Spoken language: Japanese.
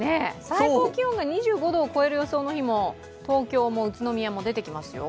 最高気温が２５度を超える予想の日も、東京も宇都宮も出てきますよ。